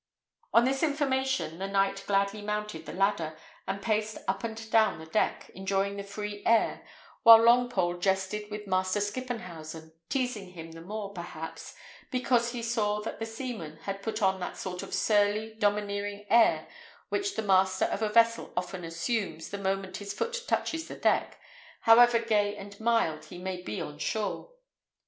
On this information, the knight gladly mounted the ladder, and paced up and down the deck, enjoying the free air, while Longpole jested with Master Skippenhausen, teasing him the more, perhaps, because he saw that the seaman had put on that sort of surly, domineering air which the master of a vessel often assumes the moment his foot touches the deck, however gay and mild he may be on shore.